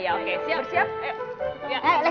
yaudah jalan aja pelan pelan